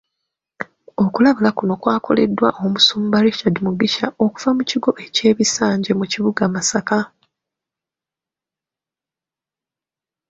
Okulabula kuno kukoleddwa Omusumba Richard Mugisha okuva mu kigo ky’e Bisanje mu kibuga Masaka .